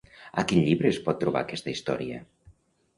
A quin llibre es pot trobar aquesta història?